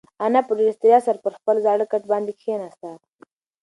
انا په ډېرې ستړیا سره پر خپل زاړه کټ باندې کښېناسته.